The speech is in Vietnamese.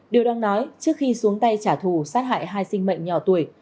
điều đang nói trước khi xuống tay trả thù sát hại hai sinh mệnh nhỏ tuổi